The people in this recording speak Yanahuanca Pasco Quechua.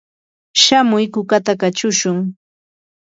shamuy kukata kachushun.